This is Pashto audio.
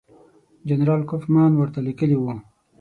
جنرال کوفمان ورته لیکلي وو.